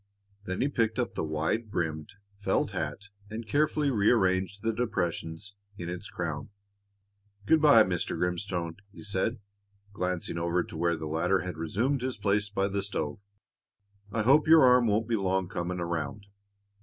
Then he picked up the wide brimmed felt hat and carefully rearranged the depressions in its crown. "Good by, Mr. Grimstone," he said, glancing over to where the latter had resumed his place by the stove. "I hope your arm won't be long coming around."